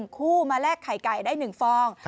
คู่มาแลกไข่ไก่ได้๑ฟอง